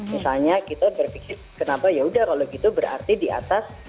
misalnya kita berpikir kenapa ya udah kalau gitu berarti di atas usia delapan puluh tahun